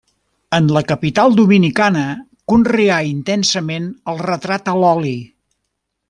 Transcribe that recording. En la capital dominicana conreà intensament el retrat a l'oli.